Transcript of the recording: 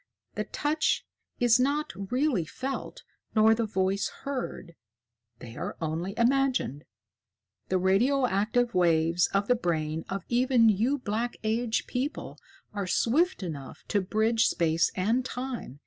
The touch is not really felt nor the voice heard: they are only imagined. The radioactive waves of the brain of even you Black Age people are swift enough to bridge Space and Time.